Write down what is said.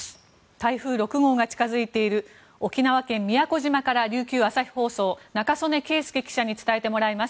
台風６号が近づいている沖縄県宮古島から琉球朝日放送仲宗根啓介記者に伝えてもらいます。